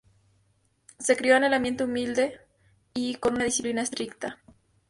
Se crio en un ambiente humilde y con una disciplina estricta.